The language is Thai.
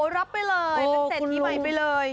รับไปเลยเป็นเศรษฐีใหม่ไปเลย